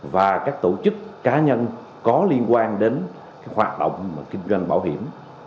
và các tổ chức cá nhân có liên quan đến hoạt động kinh doanh bảo hiểm